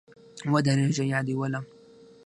ودرېږه یا دي ولم